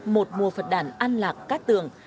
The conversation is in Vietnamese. một mùa phật đàn ăn lạc các tường